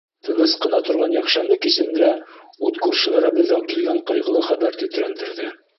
Тыныс ҡына торған йәкшәмбе кисендә ут күршеләребеҙҙән килгән ҡайғылы хәбәр тетрәндерҙе.